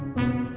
tidak ada apa apa